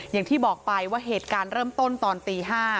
อย่างที่บอกไปว่าเหตุการณ์เริ่มต้นตอนตี๕